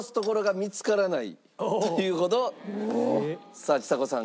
さあちさ子さんが。